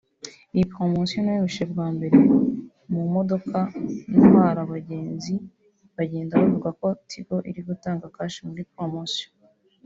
“Iyi promosiyo nayunvishe bwa mbere muri modoka ntwara abagenzi bagenda babivuga ko Tigo iri gutanga cash muri promosiyo